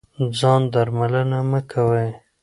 ځان درملنه مه کوئ.